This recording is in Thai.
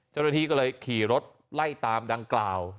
เจ้าหน้าที่ก็เลยขี่รถไล่ตามดังกล่าว